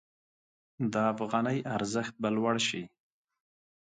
د افغانۍ ارزښت به لوړ شي.